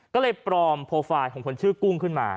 ก็เลยปลอมโปรไฟล์ของคนชื่อกุ้งขึ้นมา